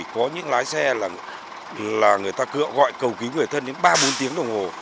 có những lái xe là người ta gọi cầu cứu người thân đến ba bốn tiếng đồng hồ